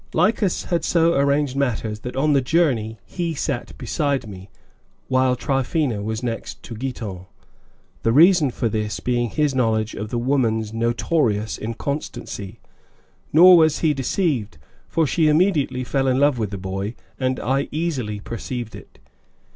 Lycas had so arranged matters that, on the journey, he sat beside me, while Tryphaena was next to Giton, the reason for this being his knowledge of the woman's notorious inconstancy; nor was he deceived, for she immediately fell in love with the boy, and I easily perceived it.